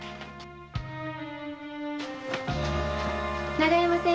永山先生